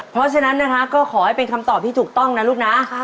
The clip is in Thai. เพราะฉะนั้นนะคะก็ขอให้เป็นคำตอบที่ถูกต้องนะลูกนะ